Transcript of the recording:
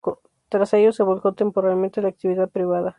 Tras ello se volcó temporalmente a la actividad privada.